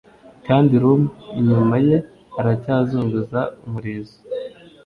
Kandi Rum inyuma ye aracyazunguza umurizo